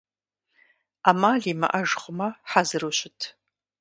Ӏэмал имыӀэж хъумэ, хьэзыру щыт.